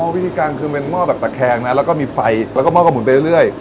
วิธีการคือเป็นหม้อแบบตะแคงนะแล้วก็มีไฟแล้วก็หม้อก็หุ่นไปเรื่อย